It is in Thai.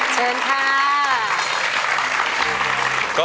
เชิญค่ะ